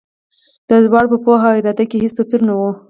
د دواړو په پوهه او اراده کې هېڅ توپیر نه و.